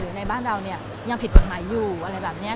ในบ้านเราเนี่ยยังผิดกฎหมายอยู่อะไรแบบนี้